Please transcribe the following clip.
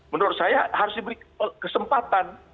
menurut saya harus diberi kesempatan